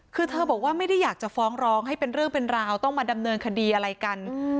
คือเธอบอกว่าไม่ได้อยากจะฟ้องร้องให้เป็นเรื่องเป็นราวต้องมาดำเนินคดีอะไรกัน